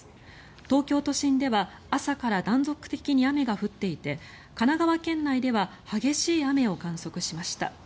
東京都心では朝から断続的に雨が降っていて神奈川県内では激しい雨を観測しました。